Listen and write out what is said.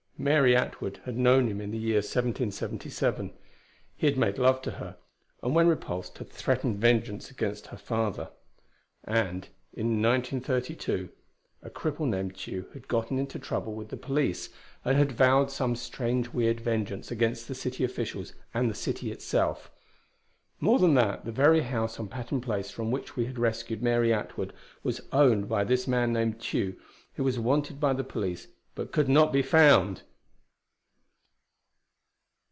Mary Atwood had known him in the year 1777. He had made love to her, and when repulsed had threatened vengeance against her father. And in 1932, a cripple named Tugh had gotten into trouble with the police and had vowed some strange weird vengeance against the city officials and the city itself. More than that, the very house on Patton Place from which we had rescued Mary Atwood, was owned by this man named Tugh, who was wanted by the police but could not be found!